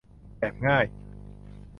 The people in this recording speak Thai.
แบบง่าย